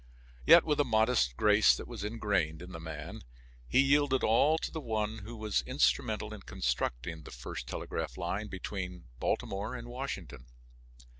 Yet with the modest grace that was ingrained in the man he yielded all to the one who was instrumental in constructing the first telegraph line between Baltimore and Washington.